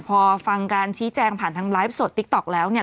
พอฟังการชี้แจงผ่านทางไลฟ์สดติ๊กต๊อกแล้วเนี่ย